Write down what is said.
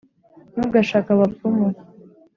ntugashake abapfumu